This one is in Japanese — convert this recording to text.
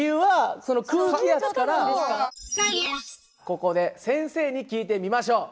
ここで先生に聞いてみましょう。